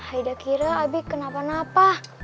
aida kira abi kenapa napa